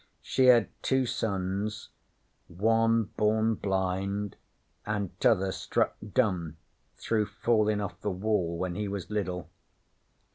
She had two sons one born blind, an' t'other struck dumb through fallin' off the Wall when he was liddle.